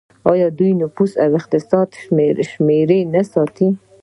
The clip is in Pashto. آیا دوی د نفوس او اقتصاد شمیرې نه ساتي؟